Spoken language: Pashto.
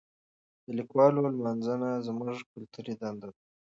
د لیکوالو لمانځنه زموږ کلتوري دنده ده.